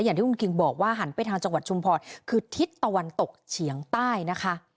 อย่างที่คุณคิงบอกว่าหันไปทางจังหวัดชุมพรคือทิศตะวันตกเฉียงใต้นะคะ